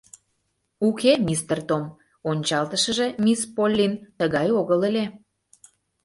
Уке, мистер Том, ончалтышыже мисс Поллин тыгай огыл ыле!